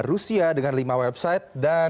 rusia dengan lima website dan